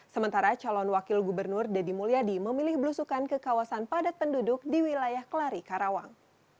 sementara calon wakil gubernur deddy mulyadi memilih belusukan ke kawasan padat penduduk di wilayah kelari karawang